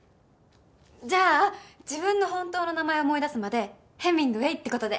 じゃあ自分の本当の名前を思い出すまでヘミングウェイって事で。